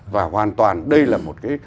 và hoàn toàn đây là một cái